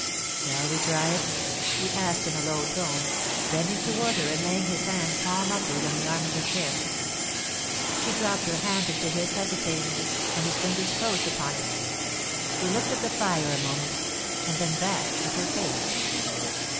'Shall we try it?' he asked in a low tone, bending toward her and laying his hand palm upward on the arm of her chair. She dropped her hand into his hesitatingly, and his fingers closed upon it. He looked at the fire a moment, and then back in her face.